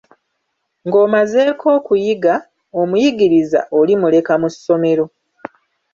Ng'omazeeko okuyiga, omuyigiriza olimuleka mu ssomero.